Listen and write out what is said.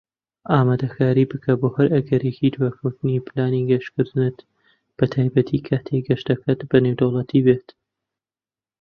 ئامادەکاری بکە بۆ هەر ئەگەرێکی دواکەوتنی پلانی گەشتکردنت، بەتایبەتی کاتیک گەشتەکەت بە نێودەوڵەتی بێت.